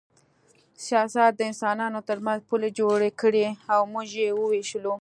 سیاست د انسانانو ترمنځ پولې جوړې کړې او موږ یې ووېشلو